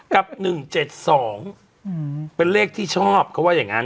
กักหนึ่งเจ็ดสองหือเป็นเลขที่ชอบเขาว่าอย่างงั้น